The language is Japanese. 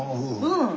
うん。